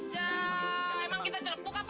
ya emang kita celpuk apa